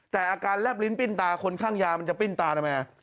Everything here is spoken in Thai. แต่อาการแลบลิ้นปิ้นตาคนข้างยามันจะปิ้นตาทำไม